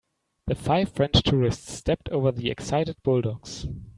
The five French tourists stepped over the excited bulldogs.